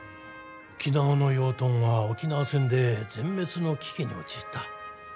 沖縄の養豚は沖縄戦で全滅の危機に陥った。